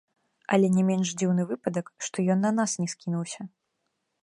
Але не менш дзіўны выпадак, што ён на нас не скінуўся.